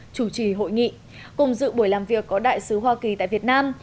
chủ trì hội nghị cùng dự buổi làm việc có đại sứ hoa kỳ tại việt nam